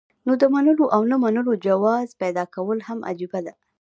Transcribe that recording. نو د منلو او نۀ منلو جواز پېدا کول هم عجيبه ده